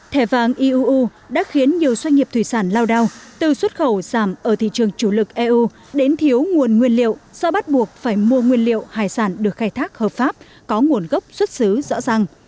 thẻ vàng iuu đã khiến nhiều doanh nghiệp thủy sản lao đao từ xuất khẩu giảm ở thị trường chủ lực eu đến thiếu nguồn nguyên liệu do bắt buộc phải mua nguyên liệu hải sản được khai thác hợp pháp có nguồn gốc xuất xứ rõ ràng